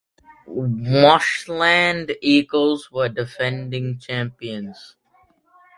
Mashonaland Eagles were the defending champions.